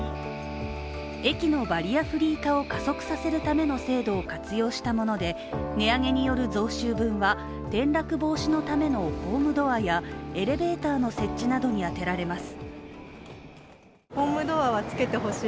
駅のバリアフリー化を加速させるための制度を活用したもので値上げによる増収分は転落防止のためのホームドアやエレベーターの設置などに充てられます。